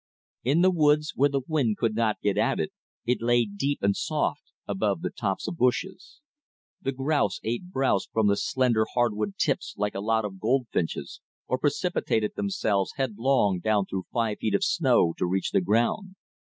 In the woods where the wind could not get at it, it lay deep and soft above the tops of bushes. The grouse ate browse from the slender hardwood tips like a lot of goldfinches, or precipitated themselves headlong down through five feet of snow to reach the ground.